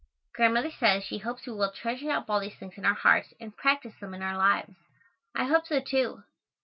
Grandmother says she hopes we will treasure up all these things in our hearts and practice them in our lives. I hope so, too.